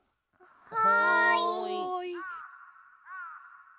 はい。